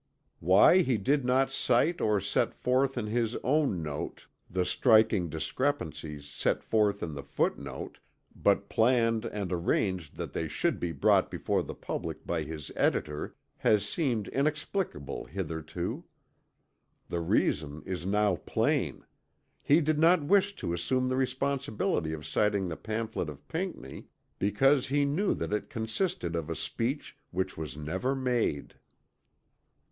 Why he did not cite or set forth in his own Note the "striking discrepancies" set forth in the footnote, but planned and arranged that they should be brought before the public by his editor has seemed inexplicable hitherto. The reason is now plain he did not wish to assume the responsibility of citing the pamphlet of Pinckney because he knew that it consisted of a speech which was never made.